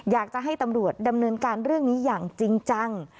อยากจะให้ตำรวจดำเนินการเรื่องนี้อย่างจริงจัง